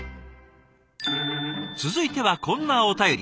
続いてはこんなお便り。